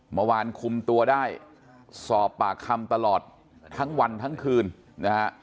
เมื่อวานคุมตัวได้สอบปากคำตลอดทั้งวันทั้งคืนนะฮะ